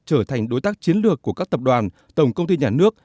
trở thành đối tác chiến lược của các tập đoàn tổng công ty nhà nước